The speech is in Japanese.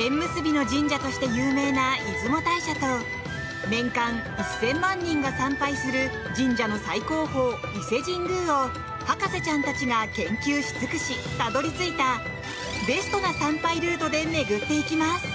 縁結びの神社として有名な出雲大社と年間１０００万人が参拝する神社の最高峰、伊勢神宮を博士ちゃんたちが研究し尽くし、たどり着いたベストな参拝ルートで巡っていきます！